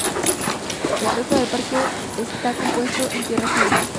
El resto del parque está compuesto de tierra firme.